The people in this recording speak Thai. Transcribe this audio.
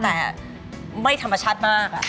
แต่ไม่ธรรมชาติมาก